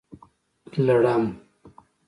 لړم